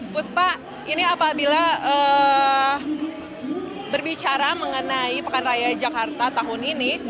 puspa ini apabila berbicara mengenai pekan raya jakarta tahun ini